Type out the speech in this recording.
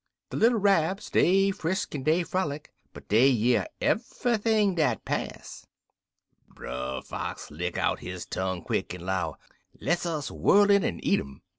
"Der little Rabs dey frisk en dey frolic, but dey hear ev'ything dat pass. "Brer Wolf lick out his tongue quick, en 'low, 'Less us whirl in en eat um.'